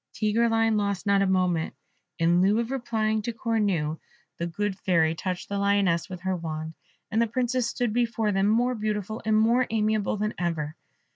Tigreline lost not a moment: in lieu of replying to Cornue, the good Fairy touched the lioness with her wand, and the Princess stood before them more beautiful and more amiable than ever.